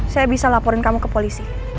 saya bisa laporin kamu ke polisi